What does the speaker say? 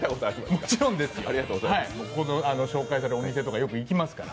もちろんですよ、ここで紹介されたお店とか行きますから。